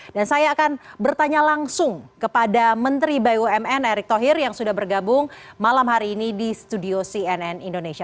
dan saya akan bertanya langsung kepada menteri bumn erick thohir yang sudah bergabung malam hari ini di studio cnn indonesia